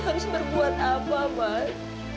harus berbuat apa mas